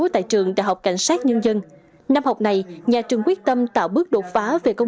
tại trường đại học cảnh sát nhân dân năm học này nhà trường quyết tâm tạo bước đột phá về công